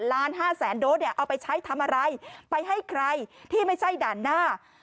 ล้าน๕แสนโดสเนี่ยเอาไปใช้ทำอะไรไปให้ใครที่ไม่ใช่ด่านหน้า